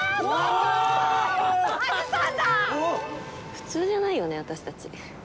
普通じゃないよね私たち。